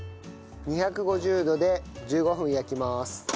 ２５０度で１５分焼きます。